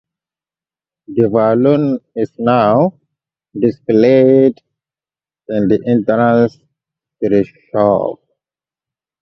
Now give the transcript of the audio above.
The balloon is now displayed in the entrance to the shop.